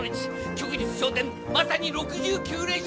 旭日昇天まさに６９連勝！